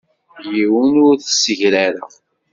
Yiwen ur t-ssegrareɣ.